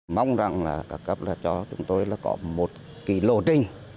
mong rằng là các cấp là cho chúng tôi là có một cái lộ trình